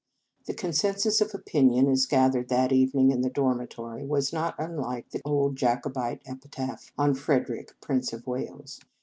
The consensus of opinion, as ga thered that evening in the dormitory, was not unlike the old Jacobite epi taph on Frederick, Prince of Wales.